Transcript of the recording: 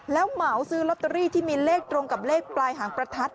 แล้วเหมาซื้อลอตเตอรี่ที่มีเลขตรงกับเลขปลายหางประทัด